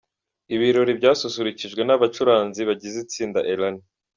Ibi birori byasusurukijwe n’abacuranzi bagize itsinda Elani.